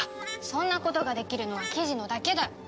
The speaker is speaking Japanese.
そんなことができるのは雉野だけだ。